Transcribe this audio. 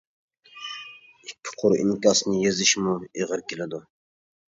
ئىككى قۇر ئىنكاسنى يېزىشمۇ ئېغىر كېلىدۇ.